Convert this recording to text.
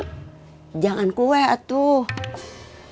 kamu nggak punya kue